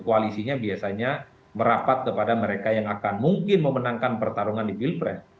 koalisinya biasanya merapat kepada mereka yang akan mungkin memenangkan pertarungan di pilpres